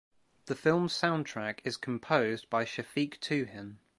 The film soundtrack is composed by Shafiq Tuhin.